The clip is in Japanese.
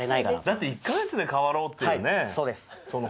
だって１カ月で変わろうっていうね。